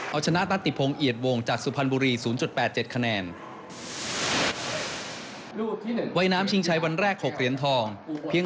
เอาชนะนัทติพงศ์เอียดวงจากสุพรรณบุรี๐๘๗คะแนน